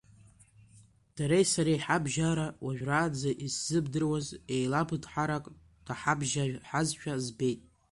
Дареи сареи ҳабжьара, уажәраанӡа исзымдыруаз еилаԥыҭҳарак наҳабжьаҳазшәа збеит.